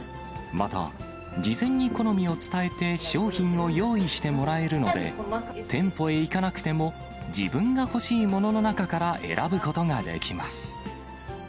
また、事前に好みを伝えて、商品を用意してもらえるので、店舗へ行かなくても、自分が欲しいものの中から選ぶことができます。